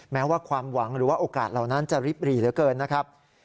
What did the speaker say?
แม้ว่าความหวังหรือว่าโอกาสเหล่านั้นจะริบหรี่เหลือเกินนะครับ